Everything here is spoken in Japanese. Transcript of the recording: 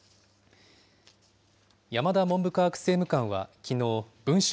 山田文部科学政務官はきのう、文春